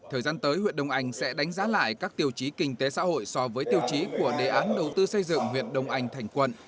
thời gian tới huyện đông anh sẽ đánh giá lại các tiêu chí kinh tế xã hội so với tiêu chí của đề án đầu tư xây dựng huyện đông anh thành quận